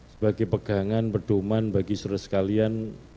sebagai pegangan berdoman bagi seluruh sekalian